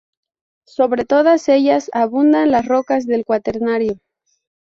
Sobre todas ellas, abundan las rocas del Cuaternario.